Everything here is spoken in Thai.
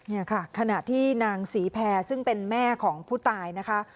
นี่ค่ะขณะที่นางศรีแพรซึ่งเป็นแม่ของผู้ตายนะคะ